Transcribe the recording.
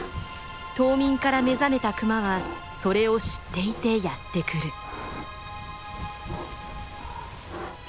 冬眠から目覚めたクマはそれを知っていてやって来る。